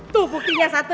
tuh buktinya satu